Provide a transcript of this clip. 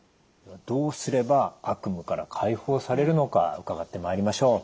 どうすれば悪夢から解放されるのか伺ってまいりましょう。